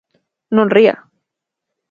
Non ría.